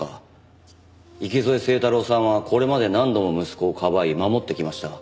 池添清太郎さんはこれまで何度も息子をかばい守ってきました。